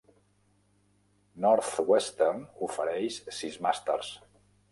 Northwestern ofereix sis màsters.